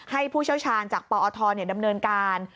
ผู้เชี่ยวชาญจากปอทดำเนินการ